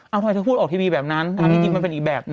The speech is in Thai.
เอาไงเธอพูดออกทีวีแบบนั้นอันนี้จริงมันเป็นอีกแบบ